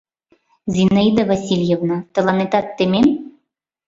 Зинаида Васильевна, тыланетат темем?